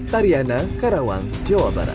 tariana karawang jawa barat